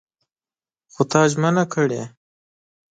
خو تا ژمنه کړې!